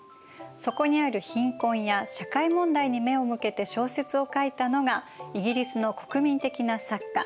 そこにある貧困や社会問題に目を向けて小説を書いたのがイギリスの国民的な作家